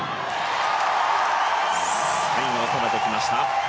最後は収めてきました。